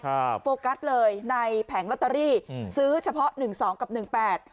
โฟกัสเลยในแผงลอตเตอรี่อืมซื้อเฉพาะหนึ่งสองกับหนึ่งแปด